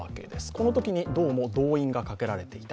このときに、どうも動員がかけられていた。